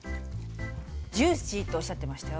ジューシーとおっしゃってましたよ。